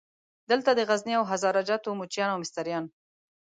دلته د غزني او هزاره جاتو موچیان او مستریان.